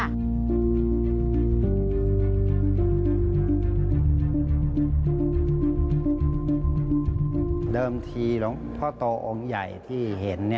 เดิมทีหลวงพ่อโตองค์ใหญ่ที่เห็น